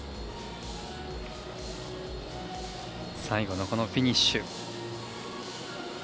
最後のフィニッシュ。